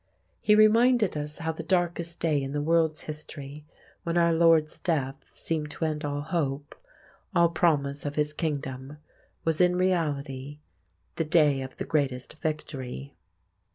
He reminded us how the darkest day in the world's history, when our Lord's death seemed to end all hope, all promise of His Kingdom, was in reality the day of the greatest victory.